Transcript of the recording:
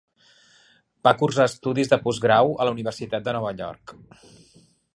Va cursar estudis de postgrau a la Universitat de Nova York.